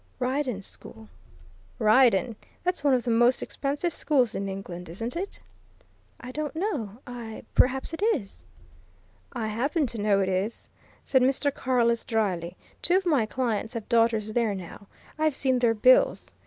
"Ryedene School." "Ryedene! That's one of the most expensive schools in England, isn't it?" "I don't know. I perhaps it is." "I happen to know it is," said Mr. Carless dryly. "Two of my clients have daughters there, now. I've seen their bills!